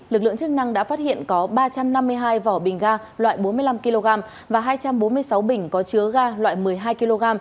lực lượng chức năng đã phát hiện có ba trăm năm mươi hai vỏ bình ga loại bốn mươi năm kg và hai trăm bốn mươi sáu bình có chứa ga loại một mươi hai kg